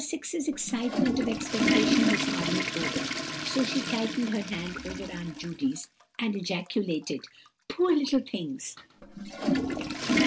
6's excitement of expectation was hardly over, so she tightened her hand over Aunt Judy's, and ejaculated:— "Poor little things!"